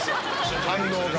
反応が。